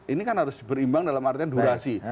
ini kan harus berimbang dalam artian durasi